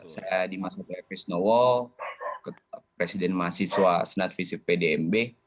saya dimas haji fisnowo presiden mahasiswa senat visip pdmb